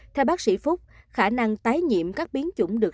theo bác sĩ phúc khả năng tái nhiễm các biến chủng được